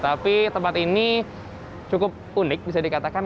tapi tempat ini cukup unik bisa dikatakan